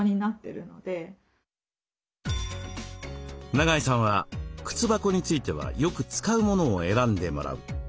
永井さんは靴箱についてはよく使うものを選んでもらう。